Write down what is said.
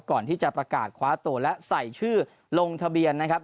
ก่อนที่จะประกาศคว้าตัวและใส่ชื่อลงทะเบียนนะครับ